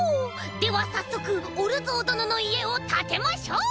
ではさっそくおるぞうどののいえをたてましょう！